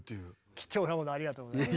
貴重なものありがとうございます。